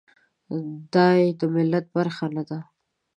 دای د ملت برخه نه ده.